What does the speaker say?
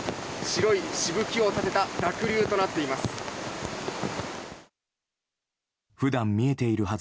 白いしぶきを立てた濁流となっています。